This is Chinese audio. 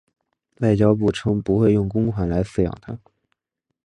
外交部称不会用公款来饲养它。